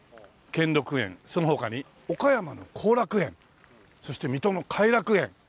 その他に岡山の後楽園そして水戸の偕楽園。